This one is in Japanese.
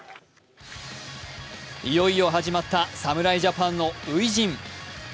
いよいよ始まった侍ジャパンの初陣。